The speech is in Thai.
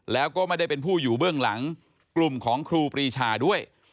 แล้วก็ไม่ได้เป็นผู้อยู่เบื้องหลังกลุ่มของครูปรีชาด้วย